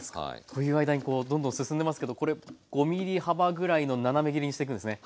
という間にこうどんどん進んでますけどこれ５ｍｍ幅ぐらいの斜め切りにしていくんですね。